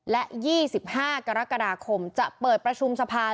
และ๒๕กรกฎาคมจะเปิดประชุมสภา